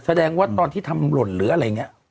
แสดงว่าตอนที่ทำหล่นหรืออะไรอย่างนี้